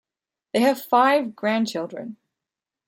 They have five grandchildren.